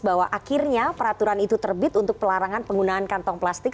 bahwa akhirnya peraturan itu terbit untuk pelarangan penggunaan kantong plastik